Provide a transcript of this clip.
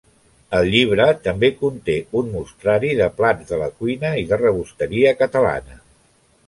El llibre també conté un mostrari de plats de la cuina i de rebosteria catalana.